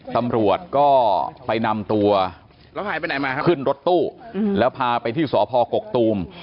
ตำรวจก็ไปนำตัวขึ้นรถตู้แล้วพาไปที่สพกกตูม